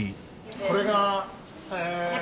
これが。